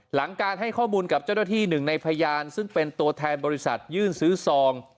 หลังการให้ข้อมูลกับเจ้าหน้าที่หนึ่งในพยานซึ่งเป็นตัวแทนบริษัทยื่นซื้อซอง